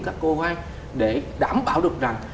các cơ quan để đảm bảo được rằng